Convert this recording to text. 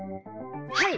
はい！